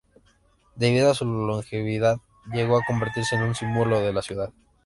Debido a su longevidad, llegó a convertirse en un símbolo de la ciudad.